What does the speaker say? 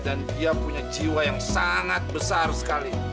dan dia punya jiwa yang sangat besar sekali